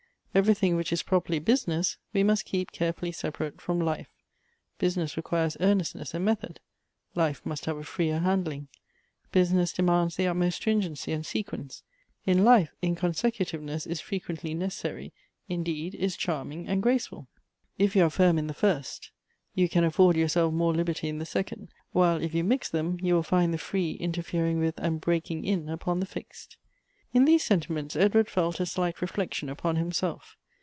Everything which is properly business we must keep carefully separate from life. Business requires ear nestness and method ; life must have a freer handling. Business demands the utmost stringency and sequence ; in life, inconsecutiveness is frequently necessary, indeed, is chaiTning and graceful. If you are firm in the fir.st, you can afford yourself more liberty in the second ; while if you mix them, you will find the free interfering with and breaking in upon the fixed." "In these sentiments Edward felt a slight reflection upon himself.